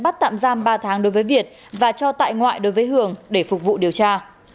bắt tạm giam ba tháng đối với việt và cho tại ngoại đối với hường để phục vụ điều tra